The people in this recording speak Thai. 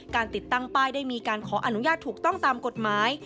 ติดตั้งป้ายได้มีการขออนุญาตถูกต้องตามกฎหมาย